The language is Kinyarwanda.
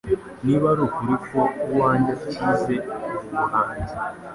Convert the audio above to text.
Niba ari ukuri ko uwanjye atize ubu buhanzi